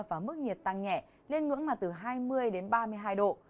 và mức nhiệt tăng nhẹ lên ngưỡng là từ hai mươi đến ba mươi hai độ